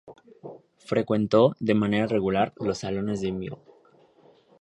Frecuentó, de manera regular, los salones de Mlle.